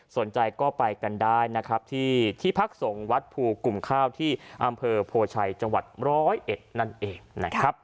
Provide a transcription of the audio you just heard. สนใจก็ไปกันได้นะครับที่ที่พักส่งวัดภูกลุ่มข้าวที่อำเภอโพชัยจังหวัดร้อยเอ็ดนั่นเองนะครับ